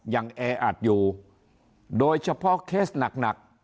แออัดอยู่โดยเฉพาะเคสหนัก